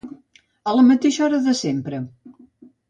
A la mateixa hora de sempre.